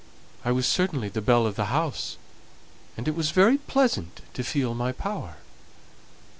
I was certainly the belle of the house, and it was very pleasant to feel my power.